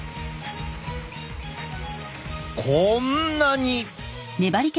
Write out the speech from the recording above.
こんなに。